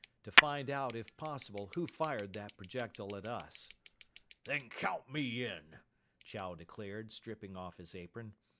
"To find out, if possible, who fired that projectile at us." "Then count me in!" Chow declared, stripping off his apron.